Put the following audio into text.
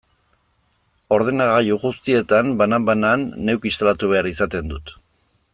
Ordenagailu guztietan, banan-banan, neuk instalatu behar izaten dut.